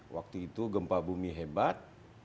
waktu itu gempa bumi hebat